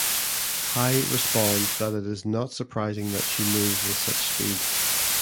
High responds that It is not surprising that she moves with such speed.